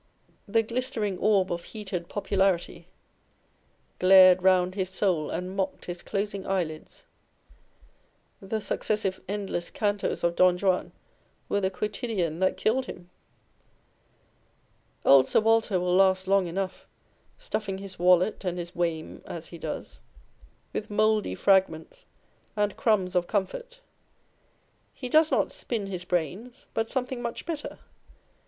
The glistering orb of heated popularity Glared round his soul and mocked his closing eyelids. * The successive endless Cantos of Don Juan were the quotidian that killed him ! Old Sir Walter will last long enough, stuffing his wallet and his " wame," as he does, â€¢ On Old English Writers and Speakers. 449 with mouldy fragments and crumbs of comfort. He does not " spin his brains," but something much better.